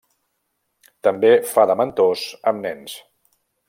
També fa de mentors amb nens.